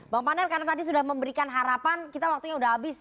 bang panel karena tadi sudah memberikan harapan kita waktunya sudah habis